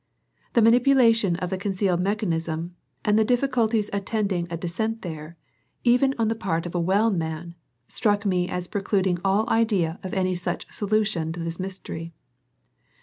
The manipulation of the concealed mechanism and the difficulties attending a descent there, even on the part of a well man, struck me as precluding all idea of any such solution to this mystery.